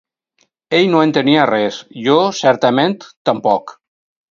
Ell no entenia res; jo, certament, tampoc.